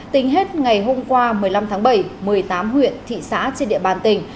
tính hết ngày hôm qua một mươi năm tháng bảy một mươi tám huyện thị xã trên địa bàn tỉnh